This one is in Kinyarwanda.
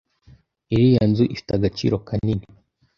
Iriya nzu ifite agaciro kanini